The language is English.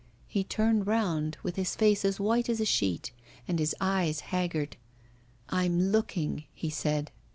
He turned round, with his face as white as a sheet and his eyes haggard. 'I'm looking,' he said.